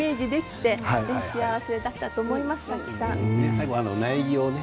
最後苗木をね